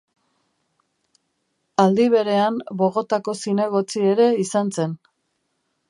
Aldi berean, Bogotako zinegotzi ere izan zen.